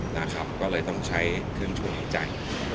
นะครับก็เลยต้องใช้เครื่องช่วยหายใจ